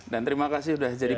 dan terima kasih sudah jadi